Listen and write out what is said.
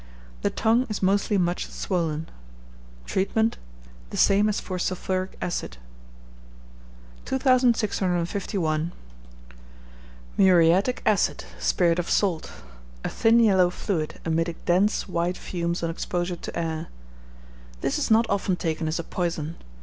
The tongue is mostly much swollen. Treatment. The same as for sulphuric acid. 2651. Muriatic Acid, Spirit of Salt (a thin yellow fluid, emitting dense white fumes on exposure to the air). This is not often taken as a poison.